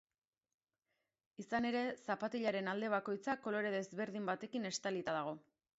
Izan ere, zapatilaren alde bakoitza kolore ezberdin batekin estalita dago.